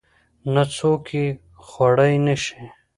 نه څوک يې خوړى نشي.